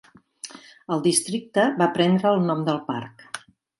El districte va prendre el nom del parc.